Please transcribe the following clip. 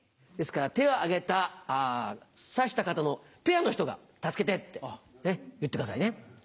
ですから手を挙げた指した方のペアの人が「助けて」って言ってくださいね。